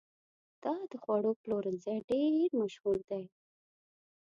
دا د خوړو پلورنځی ډېر مشهور دی.